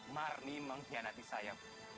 marni mengkhianati saya